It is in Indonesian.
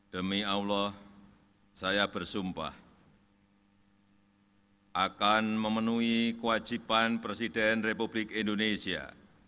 demi allah saya bersumpah akan memenuhi kewajiban presiden republik indonesia